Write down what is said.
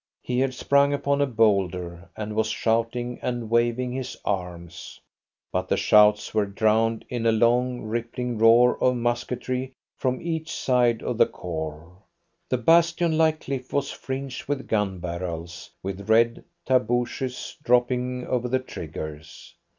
He had sprung upon a boulder, and was shouting and waving his arms, but the shouts were drowned in a long, rippling roar of musketry from each side of the khor. The bastion like cliff was fringed with gun barrels, with red tarbooshes drooping over the triggers.